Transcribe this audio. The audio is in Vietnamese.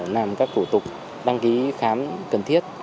làm các thủ tục đăng ký khám cần thiết